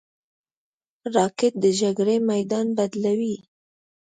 راکټ د جګړې میدان بدلوي